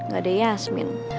gak ada yasmin